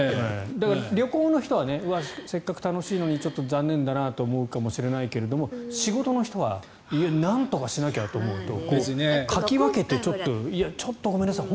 旅行の人は、せっかく楽しいのに残念だなと思うかもしれないけど仕事の人はなんとかしなきゃと思うとかき分けてちょっとごめんなさい